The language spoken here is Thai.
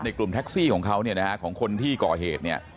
กลุ่มแท็กซี่ของเขาเนี่ยนะฮะของคนที่ก่อเหตุเนี่ย